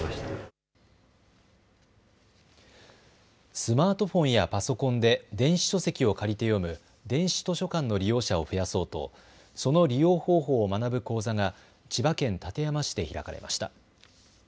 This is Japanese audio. スマートフォンやパソコンで電子書籍を借りて読む電子図書館の利用者を増やそうとその利用方法を学ぶ講座が千葉県館山市で開かれました。